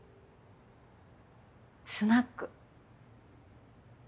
スナック。